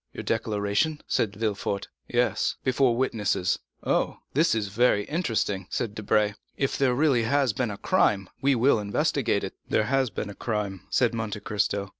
"Your declaration?" said Villefort. "Yes, before witnesses." "Oh, this is very interesting," said Debray; "if there really has been a crime, we will investigate it." "There has been a crime," said Monte Cristo.